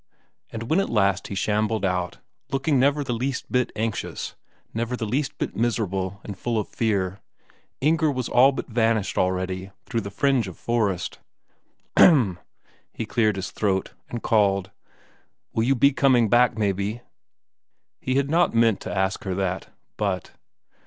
And when at last he shambled out, looking never the least bit anxious, never the least bit miserable and full of fear, Inger was all but vanished already through the fringe of the forest. "Hem!" He cleared his throat, and called, "Will you be coming back maybe?" He had not meant to ask her that, but....